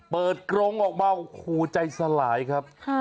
เปิดกรงออกบ้างใจสลายครับ